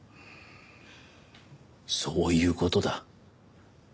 そういう事だ。